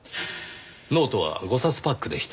ノートは５冊パックでした。